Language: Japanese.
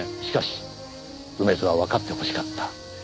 しかし梅津はわかってほしかった。